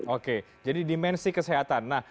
oke jadi dimensi kesehatan